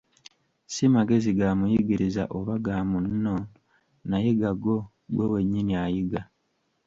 Ssi magezi ga muyigiriza oba ga munno, naye gago ggwe wennyini ayiga.